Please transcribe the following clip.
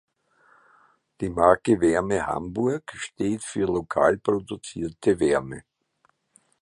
Die Marke Wärme Hamburg steht für lokal produzierte Wärme.